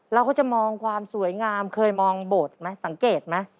เราก็จะมองความสวยงามเคยมองบทไหมสังเกตไหม